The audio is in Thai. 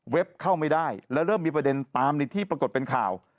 เข้าไม่ได้แล้วเริ่มมีประเด็นตามในที่ปรากฏเป็นข่าว